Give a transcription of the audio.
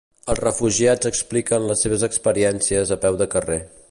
Els refugiats expliquen les seves experiències a peu de carrer.